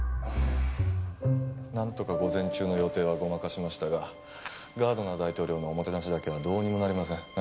なんとか午前中の予定はごまかしましたがガードナー大統領のおもてなしだけはどうにもなりません。